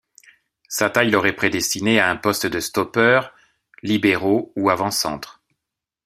Sa taille l’aurait prédestiné à un poste de stoppeur, libero ou avant-centre.